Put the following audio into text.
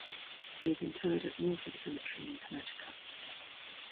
He is interred at Milford Cemetery in Connecticut.